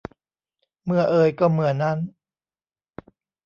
เมื่อเอยก็เมื่อนั้น